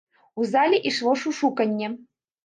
У зале ішло шушуканне.